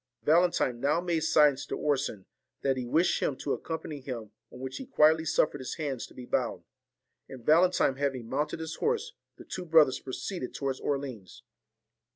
Valentine now made signs to Orson that he wished him to accompany him, on which he quietly suffered his hands to be bound; and Valentine having mounted his horse, the two brothers pro ceeded towards Orleans.